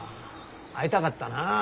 会いたかったな。